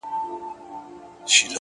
زما افغان ضمير له کاڼو جوړ گلي;